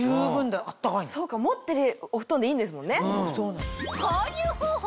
そうか持ってるお布団でいいんですもんね。